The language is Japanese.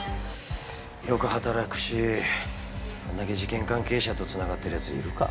よく働くしあんだけ事件関係者とつながってるやついるか？